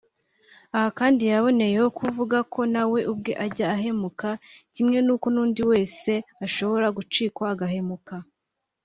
Aha kandi yaboneyeho kuvuga ko nawe ubwe ajya ahemuka kimwe n'uko n'undi wese ashobora gucikwa agahemuka